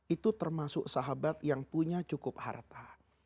itu termasuk sahabat yang punya cukup harta